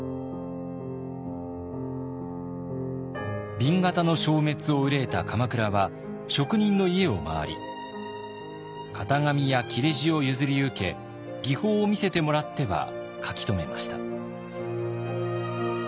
紅型の消滅を憂えた鎌倉は職人の家を回り型紙や裂地を譲り受け技法を見せてもらっては書き留めました。